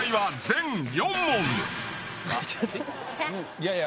いやいや。